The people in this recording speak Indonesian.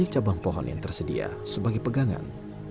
cabang pohon yang tersedia sebagai pegangan